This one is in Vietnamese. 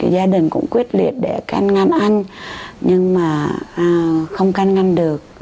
gia đình cũng quyết liệt để canh ngăn anh nhưng mà không canh ngăn được